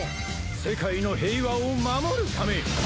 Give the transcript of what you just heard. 世界の平和を守るため。